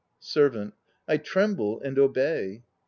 SERVANT. I tremble and obey.